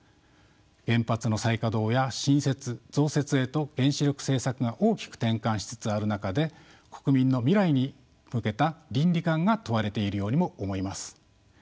原発の再稼働や新設・増設へと原子力政策が大きく転換しつつある中で国民の未来に向けた倫理観が問われているようにも思います。